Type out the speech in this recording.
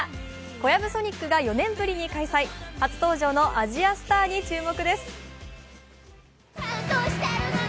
コヤブソニックが４年ぶりに開催初登場のアジアスターに注目です。